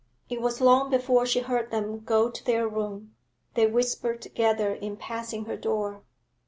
It was long before she heard them go to their room; they whispered together in passing her door.